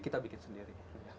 kita bikin sendiri